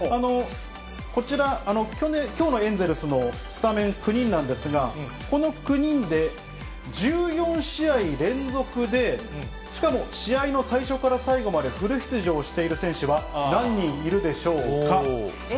こちら、きょうのエンゼルスのスタメン９人なんですが、この９人で１４試合連続で、しかも試合の最初から最後までフル出場している選手は何人いるでえ？